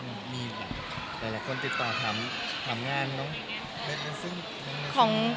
มีหรือเปล่าหลายคนติดต่อถามงานเนอะ